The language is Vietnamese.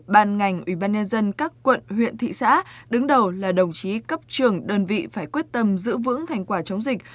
ban ngành ủy ban nhân dân các quận huyện thị xã đứng đầu là đồng chí cấp trưởng đơn vị phải quyết tâm giữ vững thành quả chống dịch